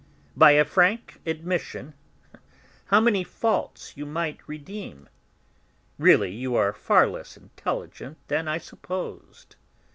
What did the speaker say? By a frank admission how many faults you might redeem! Really, you are far less intelligent than I supposed!"